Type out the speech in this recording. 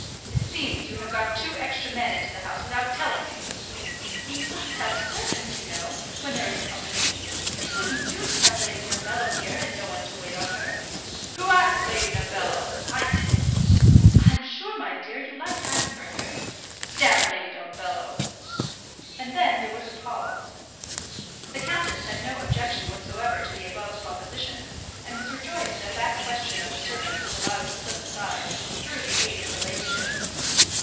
It seems you have got two extra men into the house without telling me." "We must have servants, you know, when there is company. It wouldn't do to have Lady Dumbello here, and no one to wait on her." "Who asked Lady Dumbello? I didn't." "I'm sure, my dear, you liked having her here." "D Lady Dumbello!" and then there was a pause. The countess had no objection whatsoever to the above proposition, and was rejoiced that that question of the servants was allowed to slip aside, through the aid of her ladyship.